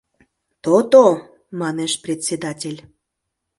— То-то! — манеш председатель.